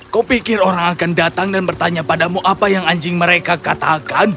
kau pikir orang akan datang dan bertanya padamu apa yang anjing mereka katakan